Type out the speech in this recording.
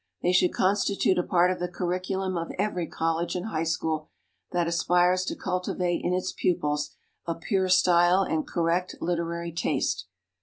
They should constitute a part of the curriculum of every college and high school that aspires to cultivate in its pupils a pure style and correct literary taste.